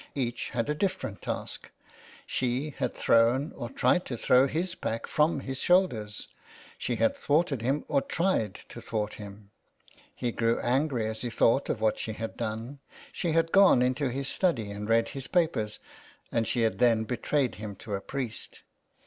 Each had a different task; she had thrown, or tried to throw, his pack from his shoulders. She had thwarted him, or tried to thwart him. He grew angry as he thought of what she had done. She had gone into his study and read his papers, and she had then betrayed him to a priest.